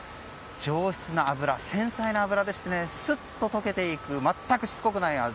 上質な脂、繊細な脂でしてすっと溶けていく全くしつこくない味。